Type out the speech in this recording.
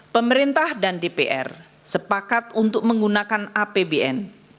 pemerintah dan dpr sepakat untuk menggunakan apbn